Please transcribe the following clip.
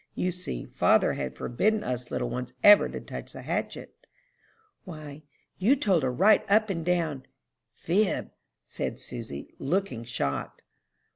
You see father had forbidden us little ones ever to touch the hatchet." "Why, you told a right up and down fib," said Susy, looking shocked.